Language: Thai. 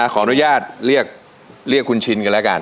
ขออนุญาตเรียกคุณชินกันแล้วกัน